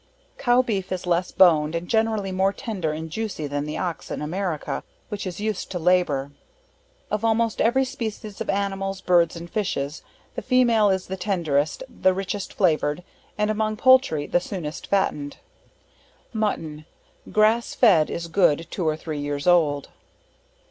Cow Beef is less boned, and generally more tender and juicy than the ox, in America, which is used to labor. Of almost every species of Animals, Birds and Fishes, the female is the tenderest, the richest flavour'd, and among poultry the soonest fattened. Mutton, grass fed, is good two or three years old.